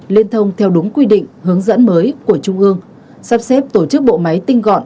liên thông theo đúng quy định hướng dẫn mới của trung ương sắp xếp tổ chức bộ máy tinh gọn